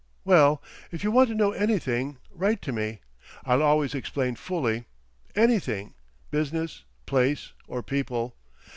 Well, if you want to know anything write to me. I'll always explain fully. Anything—business, place or people.